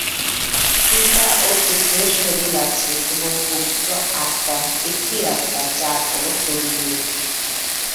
পিতা ও পুত্রের শরীর আছে এবং পবিত্র আত্মা একটি আত্মা যার কোন শরীর নেই।